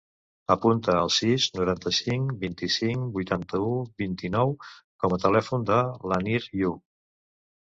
Apunta el sis, noranta-cinc, vint-i-cinc, vuitanta-u, vint-i-nou com a telèfon de l'Anir Yu.